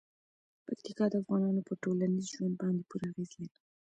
پکتیکا د افغانانو په ټولنیز ژوند باندې پوره اغېز لري.